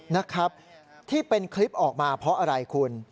นะครับที่เป็นคลิปออกมาเพราะอะไรคุณ